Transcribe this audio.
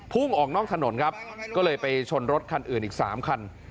่งออกนอกถนนครับก็เลยไปชนรถคันอื่นอีก๓คัน